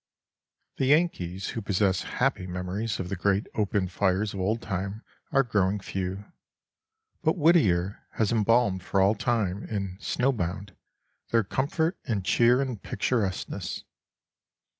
The Yankees who possess happy memories of the great open fires of old time are growing few, but Whittier has embalmed for all time, in "Snow Bound," their comfort and cheer and picturesqueness.